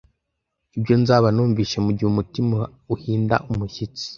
ibyo nzaba numvise mugihe umutima uhinda umushyitsi